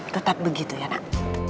tetap begitu ya nak